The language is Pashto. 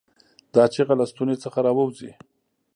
دا چیغه له ستونې څخه راووځي.